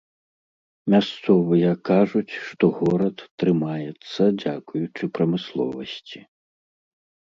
Мясцовыя кажуць, што горад трымаецца дзякуючы прамысловасці.